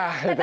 nah gitu dia